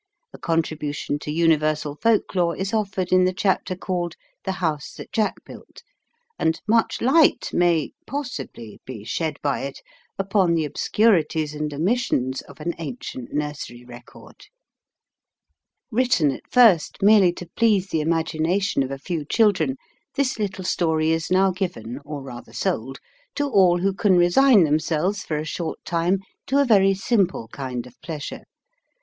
A contribution to Universal Folk lore is offered in the chapter called "The House that Jack Built," and much light may (possibly) be shed by it upon the obscurities and omissions of an ancient nursery record. iv Preface. Written at first merely to please the imagination of a few children, this little story is now given (or rather sold) to all who can resign themselves for a short time to a very simple kind of pleasure.